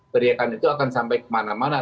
teriakan itu akan sampai kemana mana